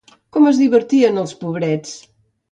Com es divertien, els pobres!